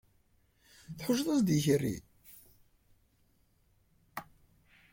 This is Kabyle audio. Tḥucceḍ-as-d i ikerri?